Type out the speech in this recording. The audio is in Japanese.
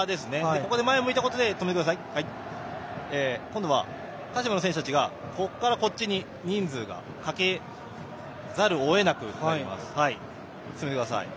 ここで前を向いたことで今度は鹿島の選手たちが人数をかけざるをえなくなります。